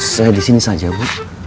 saya disini saja bu